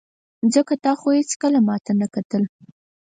ځکه تا خو هېڅکله ماته نه کتل.